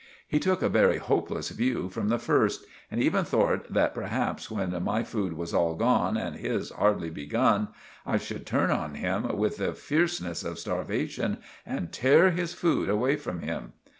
He took a very hopeless view from the first, and even thort that perhaps, when my food was all gone and his hardly begun, I should turn on him with the feerceness of starvashun and tare his food away from him.